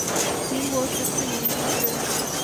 民国十四年病逝。